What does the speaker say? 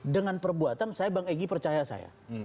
dengan perbuatan saya bang egy percaya saya